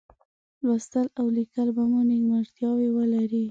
لوستل او لیکل به مو نیمګړتیاوې ولري.